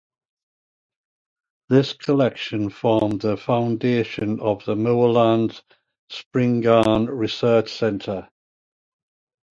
This collection formed the foundation of the Moorland-Spingarn Research Center.